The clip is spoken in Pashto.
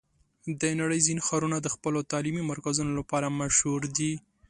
د نړۍ ځینې ښارونه د خپلو تعلیمي مرکزونو لپاره مشهور دي.